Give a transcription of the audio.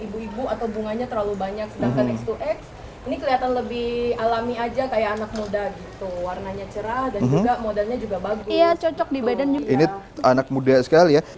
ibu ibu atau bunganya terlalu banyak sedangkan x dua x ini kelihatan lebih alami aja kayak anak muda